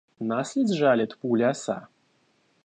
Нас ли сжалит пули оса?